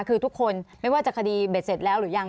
คือทุกคนไม่ว่าจะคดีเบ็ดเสร็จแล้วหรือยัง